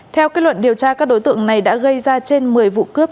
theo kết luận điều tra các đối tượng này đã gây ra trên một mươi vụ cướp